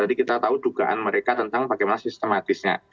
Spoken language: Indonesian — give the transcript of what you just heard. jadi kita tahu dugaan mereka tentang bagaimana sistematisnya